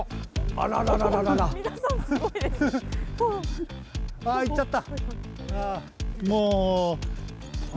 ああ、行っちゃった。